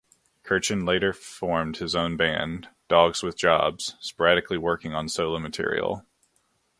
Kirchin later formed his own band, Dogs With Jobs, sporadically working on solo material.